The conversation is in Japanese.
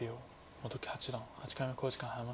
本木八段８回目の考慮時間に入りました。